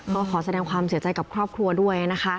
ก็ขอแสดงความเสียใจกับครอบครัวด้วยนะคะ